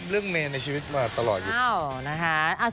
เรื่องเมล์ในชีวิตมาตลอดอยู่